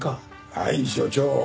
はい署長。